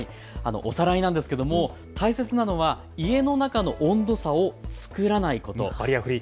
おさらいなんですけれども大切なのは家の中の温度差を作らないこと。